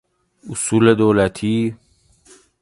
اصول دولتی